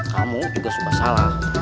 kamu juga suka salah